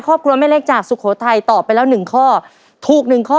ครอบครัวแม่เล็กจากสุโขทัยตอบไปแล้วหนึ่งข้อถูกหนึ่งข้อ